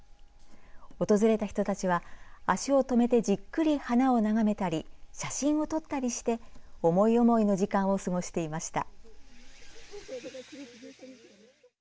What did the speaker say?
訪れた人たちは足を止めてじっくり花を眺めたり写真を撮ったりして思い思いの時間を過ごしていました。